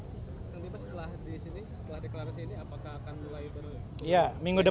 nanti setelah di sini setelah deklarasi ini apakah akan mulai ber